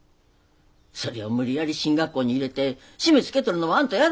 それを無理やり進学校に入れて締めつけとるのはあんたやろ。